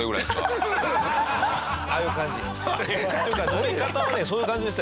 乗り方はねそういう感じでしたよ。